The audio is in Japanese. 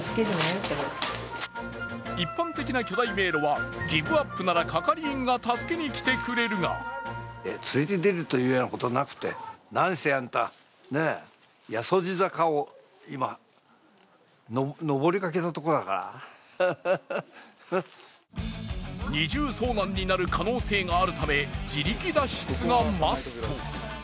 一般的な巨大迷路は、ギブアップなら係員が助けに来てくれるが二重遭難になる可能性があるため自力脱出がマスト。